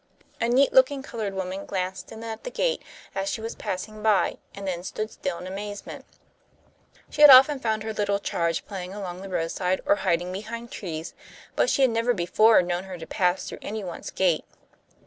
A neat looking coloured woman glanced in at the gate as she was passing by, and then stood still in amazement. She had often found her little charge playing along the roadside or hiding behind trees, but she had never before known her to pass through any one's gate.